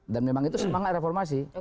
dan memang itu semangat reformasi